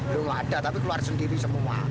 belum ada tapi keluar sendiri semua